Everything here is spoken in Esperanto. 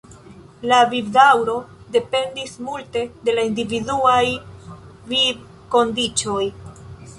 La vivdaŭro dependis multe de la individuaj vivkondiĉoj.